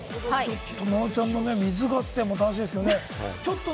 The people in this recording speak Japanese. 野呂ちゃんの水合戦も楽しみですけれども。